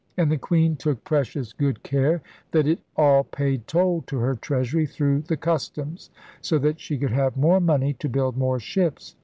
And the Queen took precious good care that it all paid toll to her treasury through the customs, so that she could have more money to build more ships.